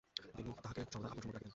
তিনি তাহাকে সর্বদা আপন সমক্ষে রাখিতেন।